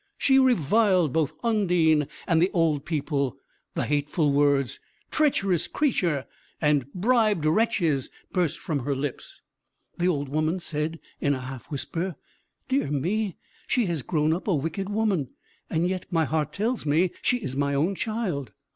She reviled both Undine and the old people; the hateful words, "Treacherous creature! and bribed wretches!" burst from her lips. The old woman said in a half whisper, "Dear me, she has grown up a wicked woman; and yet my heart tells me she is my own child."